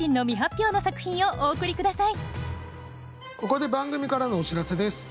ここで番組からのお知らせです。